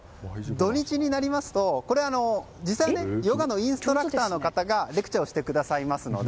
土日になりますとヨガのインストラクターの方がレクチャーしてくださいますので。